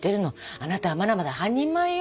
あなたはまだまだ半人前よ。